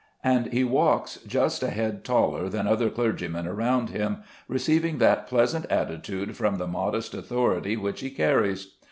And he walks just a head taller than other clergymen around him, receiving that pleasant attitude from the modest authority which he carries.